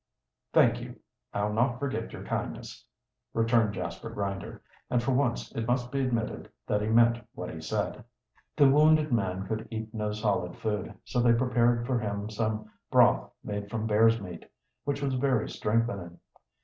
"Thank you; I'll not forget your kindness," returned Jasper Grinder, and for once it must be admitted that he meant what he said. The wounded man could eat no solid food, so they prepared for him some broth made from bear's meat, which was very strengthening.